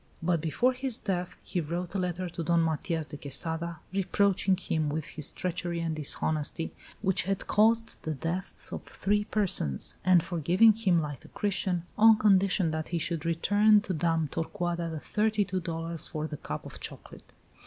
But before his death he wrote a letter to Don Matias de Quesada, reproaching him with his treachery and dishonesty (which had caused the deaths of three persons), and forgiving him like a Christian, on condition that he should return to Dame Torcuata the thirty two dollars for the cup of chocolate.